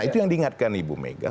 itu yang diingatkan ibu mega